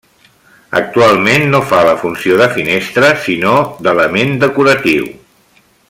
Actualment no fa la funció de finestra, sinó d'element decoratiu.